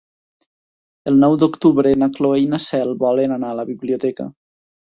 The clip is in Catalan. El nou d'octubre na Cloè i na Cel volen anar a la biblioteca.